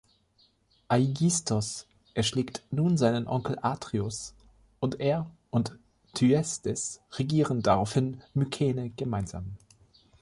Aigisthos erschlägt nun seinen Onkel Atreus und er und Thyestes regieren daraufhin Mykene gemeinsam.